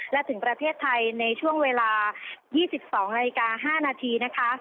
และถึงประเทศไทยในช่วงเวลา๒๒นาฬิกา๕นาทีนะคะ